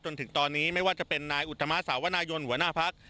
จนถึงตอนนี้ไม่ว่าจะเป็นนายอุตมาสาวนายนหัวหน้าพัก